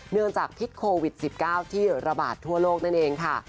จากพิษโควิด๑๙ที่ระบาดทั่วโลกนั่นเองค่ะ